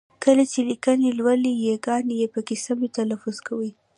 کله چې لیکني لولئ ی ګاني پکې سمې تلفظ کوئ!